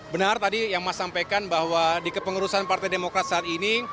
benar tadi yang mas sampaikan bahwa di kepengurusan partai demokrat saat ini